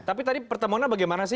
tapi tadi pertemuannya bagaimana sih